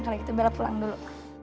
kalau gitu bela pulang dulu